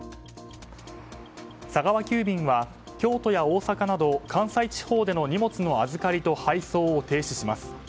佐川急便は京都や大阪など関西地方での荷物の預かりと配送を停止します。